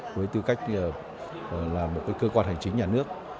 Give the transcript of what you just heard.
với tư cách là một cơ quan hành chính nhà nước